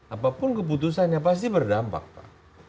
apapun keputusannya pasti berdampak pak